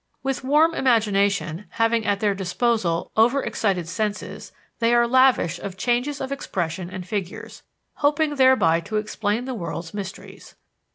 With warm imagination, having at their disposal overexcited senses, they are lavish of changes of expressions and figures, hoping thereby to explain the world's mysteries.